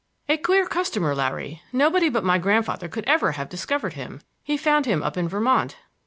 "A queer customer, Larry. Nobody but my grandfather could ever have discovered him—he found him up in Vermont."